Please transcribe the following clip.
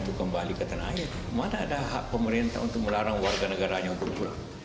kembali ke tenaga mana ada hak pemerintah untuk melarang warga negara yang pulang